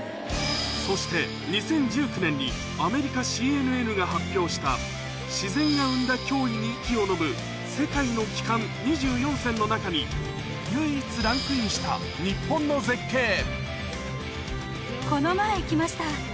そして２０１９年にアメリカＣＮＮが発表した「自然が生んだ驚異に息をのむ世界の奇観２４選」の中に唯一ランクインした日本の絶景